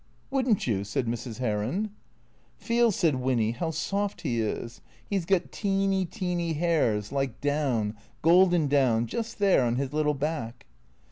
"Wouldn't you?" said Mrs. Heron. " Feel," said Winny, " how soft he is. He 's got teeny, teeny THECREATOES 267 hairSj like down, golden down, Just there, on his little back."